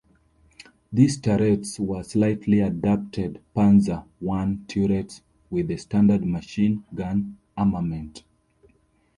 These turrets were slightly adapted Panzer One turrets, with the standard machine gun armament.